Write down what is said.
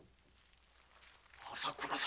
朝倉様。